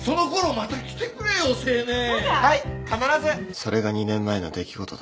それが２年前の出来事だ。